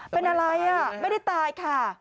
เป็นอะไรไม่ได้ตายค่ะ